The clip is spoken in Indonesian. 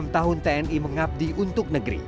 tujuh puluh enam tahun tni mengabdi untuk negeri